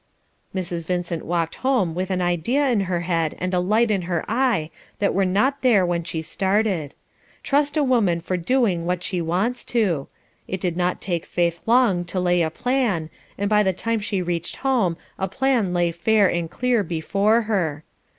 Mrs. Vincent walked home with an idea in her head and a light in her eye that were not there when she started. Trust a woman for doing what she wants to. It did not take Faith long to lay a plan, and by the time she reached home a plan lay fair and clear before her.